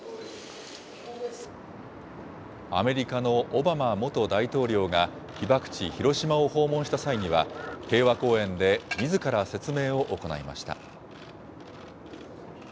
アメリカのオバマ元大統領が被爆地、広島を訪問した際には、平和公園でみずから説明を行いました。